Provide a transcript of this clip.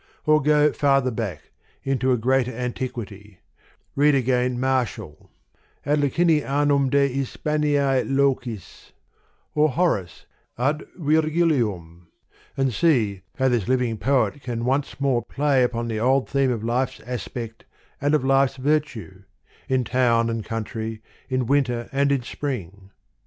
Or go farther back, into a greater antiquity : read again Martial Ad Licinianum de Hispaniae locis, or Horace Ad Virgilium: and see, how this living poet can once more play upon the old theme of life's aspect and of life's virtue, in town and country, in winter and in spring.